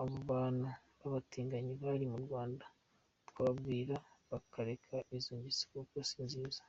Abo bantu b’ abatinganyi bari mu Rwanda twababwira bakareka izo ngeso kuko si nziza’’.